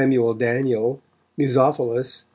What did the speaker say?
DANIEL Musophilus.